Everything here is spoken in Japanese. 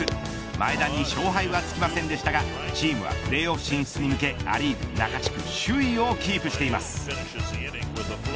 前田に勝敗はつきませんでしたがチームはプレーオフ進出に向けナ・リーグ中地区首位をキープしています。